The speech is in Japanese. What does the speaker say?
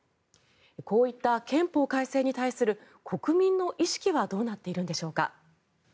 こういった憲法改正に対する国民の意識はどうなっているんでしょうか。